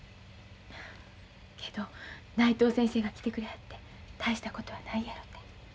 けど内藤先生が来てくれはって大したことはないやろて。